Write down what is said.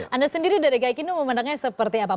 anda sendiri dari kayak gini memandangnya seperti apa